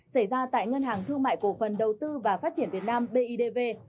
xảy ra tại ngân hàng thương mại cổ phần đầu tư và phát triển việt nam bidv